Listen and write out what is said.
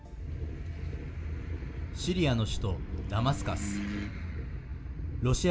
シリアの首都ダマスカス。